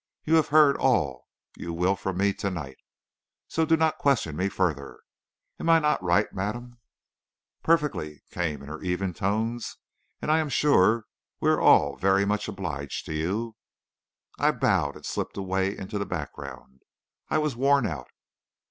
You have heard all you will from me to night. So do not question me further. Am I not right, madame?" "Perfectly," came in her even tones. "And I am sure we are all very much obliged to you." I bowed and slipped away into the background. I was worn out.